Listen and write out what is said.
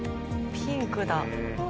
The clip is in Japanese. ピンクだ。